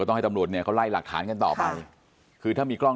ต้องให้ตำรวจเนี่ยเขาไล่หลักฐานกันต่อไปคือถ้ามีกล้อง